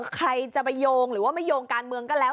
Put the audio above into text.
ใครจะไปโยงหรือว่าไม่โยงการเมืองก็แล้ว